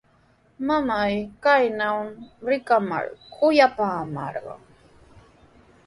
Mamaa kaynaw rikamar kuyapaamarqan.